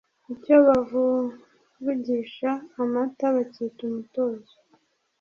Icyo bavurugisha Amatabacyita umutozo